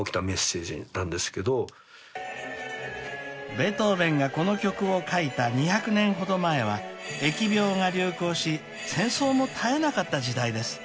［ベートーベンがこの曲を書いた２００年ほど前は疫病が流行し戦争も絶えなかった時代です］